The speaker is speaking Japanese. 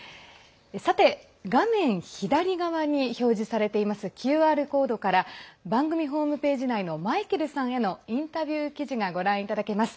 画面左側に表示されているＱＲコードから番組ホームページ内のマイケルさんへのインタビュー記事がご覧いただけます。